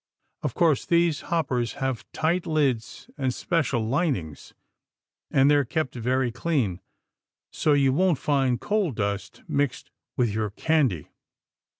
Of course, these hoppers have tight lids and special linings, and they're kept very clean, so you won't find coal dust mixed with your candy.